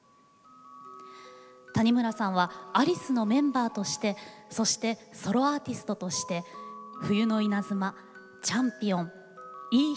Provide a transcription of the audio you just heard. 谷村さんはアリスのメンバーとしてそしてソロアーティストとして「冬の稲妻」「チャンピオン」「いい日旅立ち」